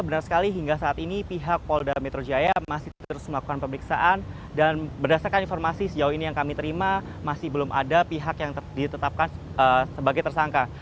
benar sekali hingga saat ini pihak polda metro jaya masih terus melakukan pemeriksaan dan berdasarkan informasi sejauh ini yang kami terima masih belum ada pihak yang ditetapkan sebagai tersangka